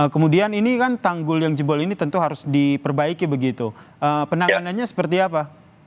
kemudian ini kan tanggul yang jebol ini tentu harus diperbaiki begitu penanganannya seperti apa